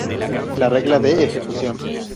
La "Regla de Ejecución".